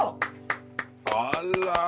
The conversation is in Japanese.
あら。